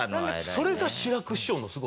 それが志らく師匠のすごさ。